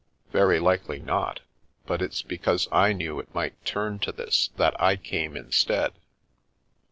" Very likely not, but it's because I knew it might turn to this that I came instead."